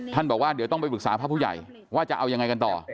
บอกว่าเดี๋ยวต้องไปปรึกษาพระผู้ใหญ่ว่าจะเอายังไงกันต่อ